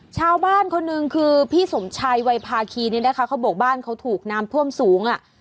ชาวบ้านคนหนึ่งคือพี่สมชัยวัยภาคีเนี่ยนะคะเขาบอกบ้านเขาถูกน้ำท่วมสูงอ่ะ